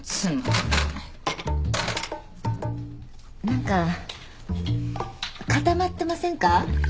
何か固まってませんか？